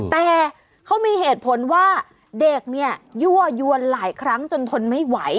แต่เขามีเหตุผลว่าเด็กเนี่ยยั่วยวนหลายครั้งจนทนไม่ไหว